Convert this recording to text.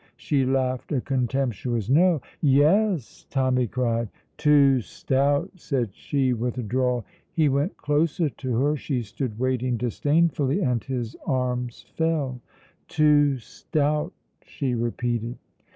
She laughed a contemptuous No. "Yes!" Tommy cried. "Too stout," said she, with a drawl. He went closer to her. She stood waiting disdainfully, and his arms fell. "Too stout," she repeated.